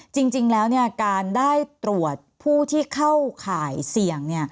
จริงแล้วการได้ตรวจผู้ที่เข้าข่ายเสี่ยง